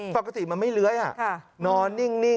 ปกติมันไม่เล้ยค่ะ